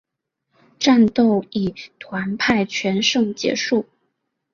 战斗以团派全胜结束。